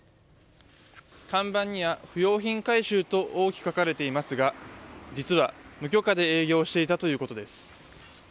看板には、不用品回収と大きく書かれていますが実は無許可で営業していたということです。